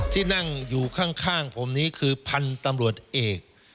ที่นั่งอยู่ข้างผมนี้คือพันธุ์ตำรวจเอก